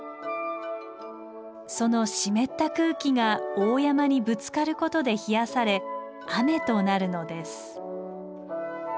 その湿った空気が大山にぶつかることで冷やされ雨となるのです。